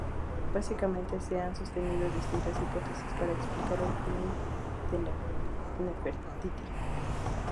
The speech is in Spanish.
Básicamente se han sostenido distintas hipótesis para explicar el fin de Nefertiti.